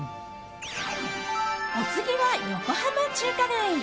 お次は横浜中華街。